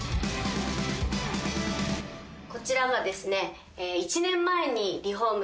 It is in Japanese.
こちらがですね。